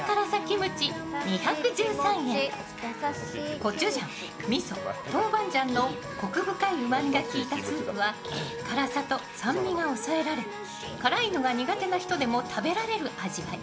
コチュジャン、みそ、トウバンジャンのこく深いうまみが効いたスープは辛さと酸味が抑えられ辛いのが苦手な人でも食べられる味わい。